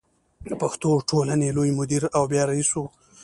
د پښتو ټولنې لوی مدیر او بیا رئیس و.